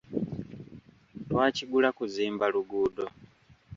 Twakigula kuzimba luguudo.